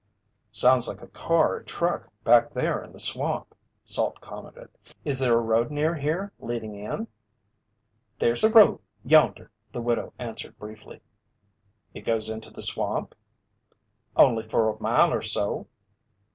"Sounds like a car or truck back there in the swamp," Salt commented. "Is there a road near here leading in?" "There's a road yonder," the widow answered briefly. "It goes into the swamp?" "Only for a mile or so."